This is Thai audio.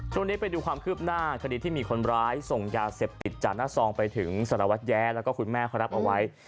ช่วงนี้ไปดูความคืบหน้าคดีที่มีคนร้ายส่งยาเสพติดจากหน้าซองไปถึงสารวัตรแย้แล้วก็คุณแม่เขารับเอาไว้